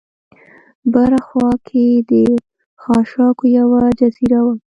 بره خوا کې د خاشاکو یوه جزیره وه.